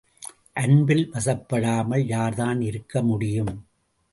அன்பில் வசப்படாமல் யார்தான் இருக்க முடியும்?